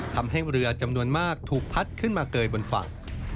ทำให้เรือจำนวนมากถูกพัดขึ้นมาเกยบนฝั่ง